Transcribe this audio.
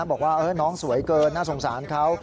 บอกว่าน้องสวยเกินน่าสงสารเขา